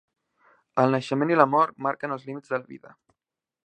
El naixement i la mort marquen els límits de la vida.